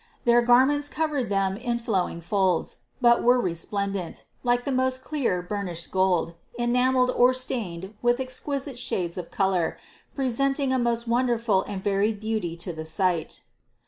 Their garments covered them in flowing folds, but were resplendent, like the most clear burnished gold, enameled or stained with exquisite shades of color, presenting a most wonderful and varied beauty to the sight.